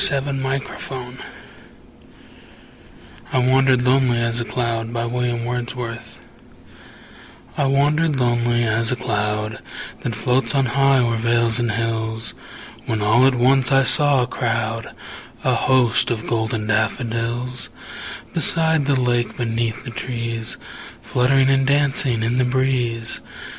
William Wordsworth I Wandered Lonely As a Cloud I WANDERED lonely as a cloud That floats on high o'er vales and hills, When all at once I saw a crowd, A host, of golden daffodils; Beside the lake, beneath the trees, Fluttering and dancing in the breeze.